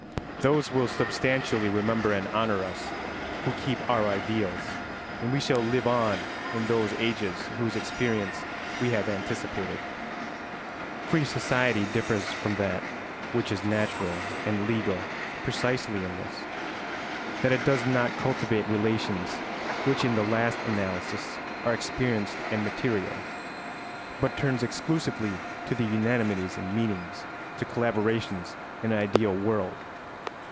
Those will substantially remember and honour us who keep our ideals, and we shall live on in those ages whose experience we have anticipated. Free society differs from that which is natural and legal precisely in this, that it does not cultivate relations which in the last analysis are experienced and material, but turns exclusively to unanimities in meanings, to collaborations in an ideal world.